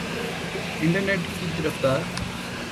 internet کی رفتار